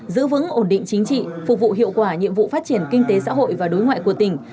giữ vững ổn định chính trị phục vụ hiệu quả nhiệm vụ phát triển kinh tế xã hội và đối ngoại của tỉnh